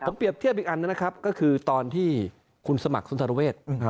ผมเปรียบเทียบอีกอันนะครับก็คือตอนที่คุณสมัครคุณธรเวท